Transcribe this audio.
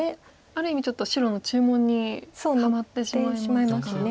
ある意味ちょっと白の注文にはまってしまいますか。